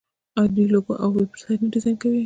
آیا دوی لوګو او ویب سایټ نه ډیزاین کوي؟